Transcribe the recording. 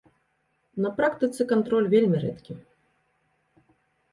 На практыцы кантроль вельмі рэдкі.